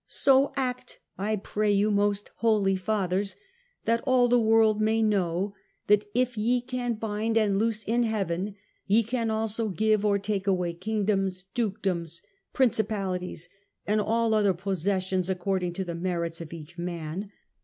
' So act, I pray you, most holy fathers, that all the world may know that if ye can bind and loose in Heaven, ye can also give or take away kingdoms, dukedoms, principalities, and all other possessions ac cording to the merits of each man.